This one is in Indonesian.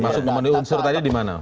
masuk ke menu unsur tadi di mana